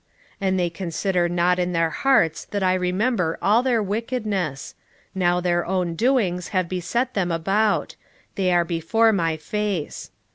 7:2 And they consider not in their hearts that I remember all their wickedness: now their own doings have beset them about; they are before my face.